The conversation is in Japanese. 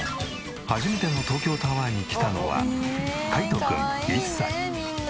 初めての東京タワーに来たのはかいとくん１歳。